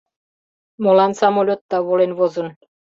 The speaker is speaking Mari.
Молан самолётда волен возын?